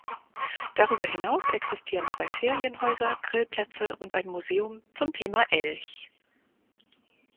Darüber hinaus existieren zwei Ferienhäuser, Grillplätze und ein Museum zum Thema Elch.